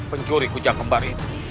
pencuri kujang kembar itu